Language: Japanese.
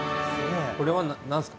これは何すか？